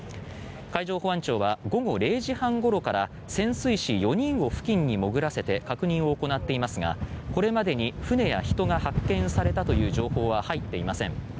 海上保安庁は午後０時半ごろから潜水士４人を付近に潜らせて確認を行っていますがこれまでに船や人が発見されたという情報は入っていません。